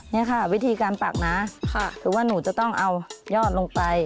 นี่ค่ะวิธีการปักนะคือว่าหนูจะต้องเอายอดลงไป